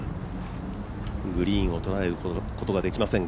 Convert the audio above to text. グリーンを捉えることができません。